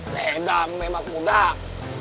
tidak memang mudah